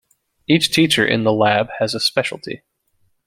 Each teacher in the lab has a specialty.